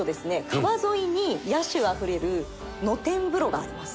川沿いに野趣あふれる野天風呂があります。